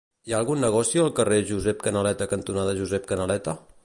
Hi ha algun negoci al carrer Josep Canaleta cantonada Josep Canaleta?